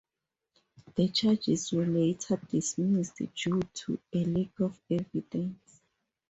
The charges were later dismissed due to a lack of evidence.